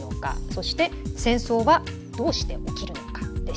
そして「戦争はどうして起きるのか」でした。